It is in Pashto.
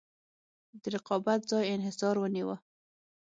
د رقابت ځای انحصار ونیوه.